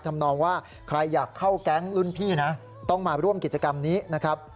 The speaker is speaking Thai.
ทำนองว่าใครอยากเข้าแก๊งรุ่นพี่นะต้องมาร่วมกิจกรรมนี้นะครับ